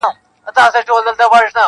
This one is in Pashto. ما ددې غرونو په لمنو کي شپېلۍ ږغول-